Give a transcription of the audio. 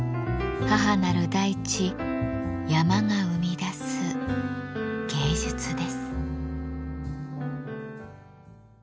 母なる大地山が生み出す芸術です。